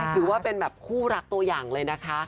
ถือว่าเป็นแบบคู่รักตัวอย่างเลยนะคะ